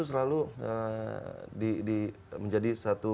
selalu di menjadi satu